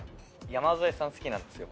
山添さん好きなんですよ